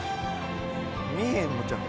見えへんのちゃう？